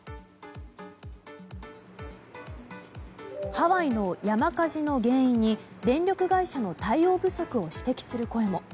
ハワイの山火事の原因に電力会社の対応不足を指摘する声も。